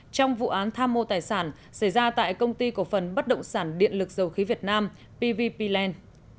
trong vụ án tham mô tài sản xảy ra tại công ty cổ phần bất động sản điện lực dầu khí việt nam pvp land